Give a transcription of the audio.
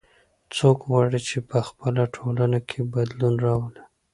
څوک غواړي چې په خپله ټولنه کې بدلون راولي